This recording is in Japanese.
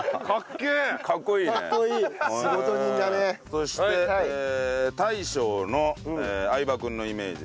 そして大昇の相葉君のイメージ。